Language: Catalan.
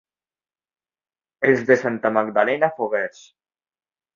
Els de Santa Magdalena, foguers.